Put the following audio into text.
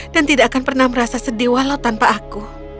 dan tidak akan pernah merasa sedih walau tanpa aku